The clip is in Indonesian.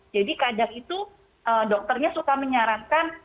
jadi kadang itu dokternya suka menyarankan